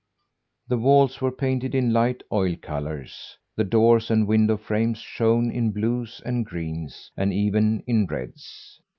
The walls were painted in light oil colours; the doors and window frames shone in blues and greens, and even in reds.